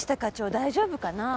大丈夫かなぁ？